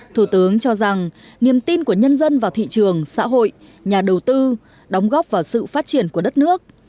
thủ tướng cho rằng niềm tin của nhân dân vào thị trường xã hội nhà đầu tư đóng góp vào sự phát triển của đất nước